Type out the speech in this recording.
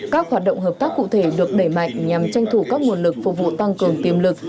các hoạt động hợp tác cụ thể được đẩy mạnh nhằm tranh thủ các nguồn lực phục vụ tăng cường tiềm lực